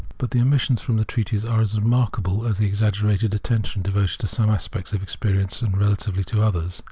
But the omissions from the treatise are as remarkable as the exaggerated attention devoted to some aspects of experience relatively to others.